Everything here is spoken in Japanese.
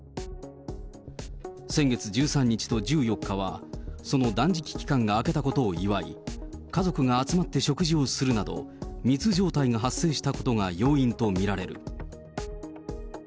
先月１３日と１４日は、その断食期間が明けたことを祝い、家族が集まって食事をするなど、密状態が発生したことが要因と見られる。